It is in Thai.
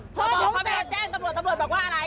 พอแจ้งตำรวจตำรวจบอกว่าอะไร